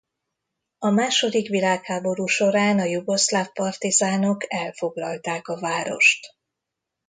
A második világháború során a jugoszláv partizánok elfoglalták a várost.